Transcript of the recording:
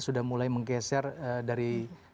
sudah mulai menggeser dari